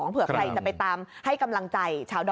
เผื่อใครจะไปตามให้กำลังใจชาวดอ